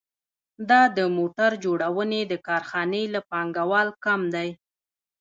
دا د موټر جوړونې د کارخانې له پانګوال کم دی